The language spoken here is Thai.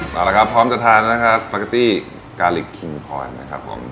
เอาละครับพร้อมจะทานนะครับสปาเกตตี้กาลิกคิงพรนะครับผม